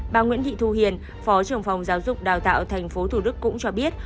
bà nguyễn thị thu hiền phó trưởng phòng giáo dục đào tạo tp hcm cũng cho biết